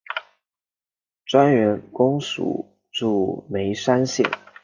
专员公署驻眉山县。